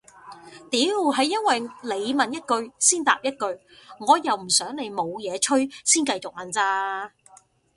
屌係因為你問一句先答一句我又唔想你冇嘢吹先繼續問咋